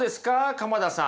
鎌田さん。